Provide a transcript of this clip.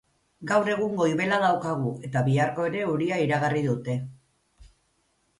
Gaur egun goibela daukagu eta biharko ere euria iragarri dute.